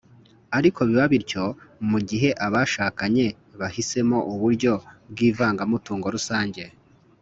ariko biba bityo mu gihe abashakanye bahisemo uburyo bw’ivangamutungo rusange